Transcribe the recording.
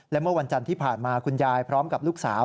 และเมื่อวันจันทร์ที่ผ่านมาคุณยายพร้อมกับลูกสาว